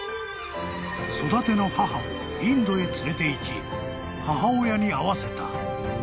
［育ての母をインドへ連れていき母親に会わせた］